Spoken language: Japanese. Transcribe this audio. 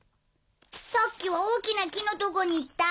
さっきは大きな木のとこに行った。